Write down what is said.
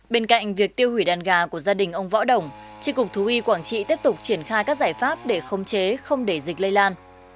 bên cạnh việc tiêu hủy đàn gà của gia đình ông võ đồng tri cục thú y quảng trị tiếp tục triển khai các giải pháp để khống chế không để dịch lây lan